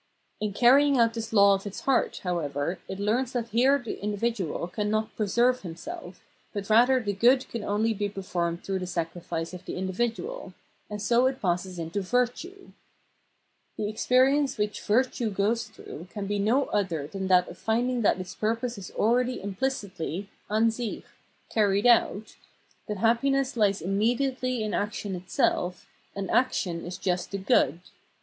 In carrying out this law of its heart, however, it learns that here the individual can not preserve himself, but rather the good can only be performed through the sacrifice of the individual : and so it passes into Virtue. The experience which virtue goes through can be no other than that of finding that its purpose is already implicitly {an sicli) carried out, that happiness Ues immediately in action itself, and action is just the good.